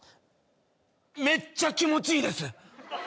めっちゃ気持ちいいです。